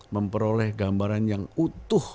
memperoleh gambaran yang utuh